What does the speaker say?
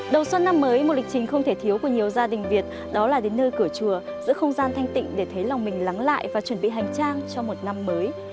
đầu xuân năm mới một lịch trình không thể thiếu của nhiều gia đình việt đó là đến nơi cửa chùa giữ không gian thanh tịnh để thấy lòng mình lắng lại và chuẩn bị hành trang cho một năm mới